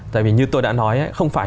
tại vì như tôi đã nói không phải